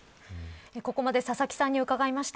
ここまで佐々木さんに伺いました。